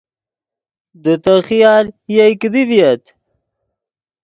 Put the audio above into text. دے تے خیال یئے کیدی ڤییت